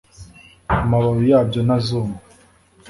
amababi yabyo ntazuma